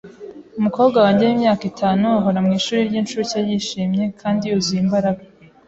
Umukobwa wanjye wimyaka itanu ahora mu ishuri ryincuke yishimye kandi yuzuye imbaraga.